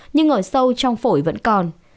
nhưng ở sâu trong phổi vẫn còn